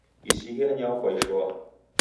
Isighe anyao kwaishoa